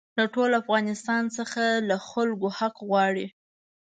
له ټول افغانستان څخه له خلکو حق غواړي.